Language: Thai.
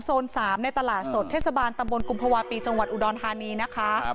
๓ในตลาดสดเทศบาลตำบลกุมภาวะปีจังหวัดอุดรธานีนะคะ